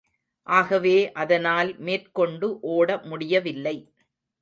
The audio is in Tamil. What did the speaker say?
ஆகவே அதனால் மேற்கொண்டு ஓட முடியவில்லை.